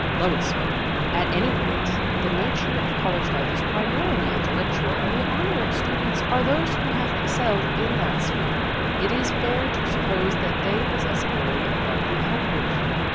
Lois spoke :" At any rate, the nature of college life is primarily intellectual, and the honor students are those who have excelled in that sphere. It is fair to sup pose that they possess ability above the average."